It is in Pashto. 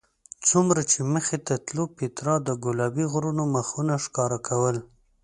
څومره چې مخکې تلو پیترا د ګلابي غرونو مخونه ښکاره کول.